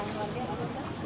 separuhan lebih ya kira kira